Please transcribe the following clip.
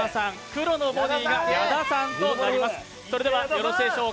黒のボディーが矢田さんとなります。